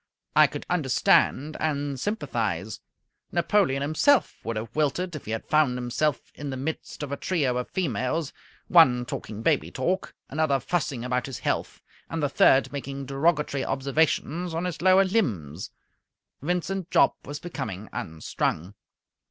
I could understand and sympathize. Napoleon himself would have wilted if he had found himself in the midst of a trio of females, one talking baby talk, another fussing about his health, and the third making derogatory observations on his lower limbs. Vincent Jopp was becoming unstrung.